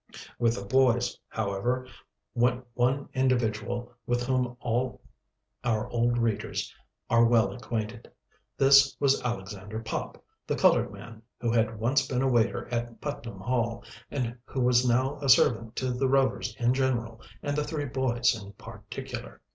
With the boys, however, went one individual with whom all our old readers are well acquainted. This was Alexander Pop, the colored man who had once been a waiter at Putnam Hall, and who was now a servant to the Rovers in general and the three boys in particular.